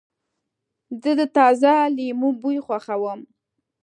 زه د تازه لیمو بوی خوښوم.